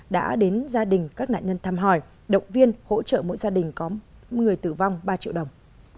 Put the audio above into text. đã đến gia đình các nạn nhân thăm hỏi động viên hỗ trợ mỗi gia đình có người tử vong ba triệu đồng